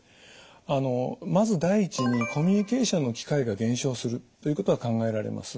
まず第一にコミュニケーションの機会が減少するということが考えられます。